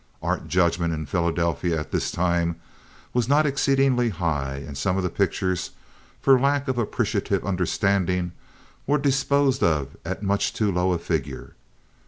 Art judgment in Philadelphia at this time was not exceedingly high; and some of the pictures, for lack of appreciative understanding, were disposed of at much too low a figure.